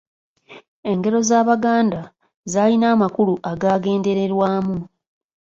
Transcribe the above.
Engero z'Abaganda zaalina amakulu agaagendererwamu.